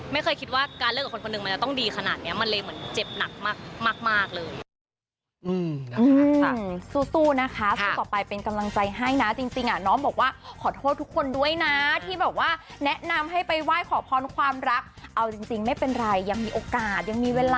ไม่เคยคิดว่าการเลือกกับคนคนหนึ่งมันจะต้องดีขนาดนี้